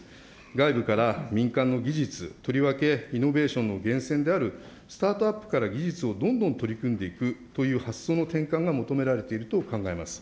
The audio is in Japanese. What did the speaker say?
外部から民間の技術、とりわけイノベーションの源泉であるスタートアップから技術をどんどん取り組んでいくという発想の転換が求められていると考えます。